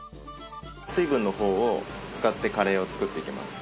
水分の方を使ってカレーを作っていきます。